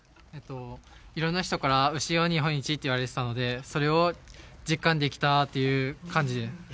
いろんな人から、牛日本一と言われていたので、それを実感できたという感じ。